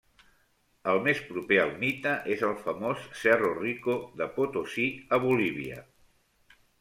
El més proper al mite és el famós Cerro Rico de Potosí, a Bolívia.